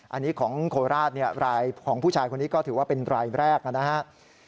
อันนี้ของโคราชรายของผู้ชายคนนี้ก็ถือว่าเป็นรายแรกนะครับ